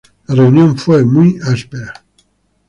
La reunión fue muy áspera.